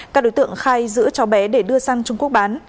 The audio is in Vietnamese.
các đối tượng khai giữ cho bé để đưa sang trung quốc bán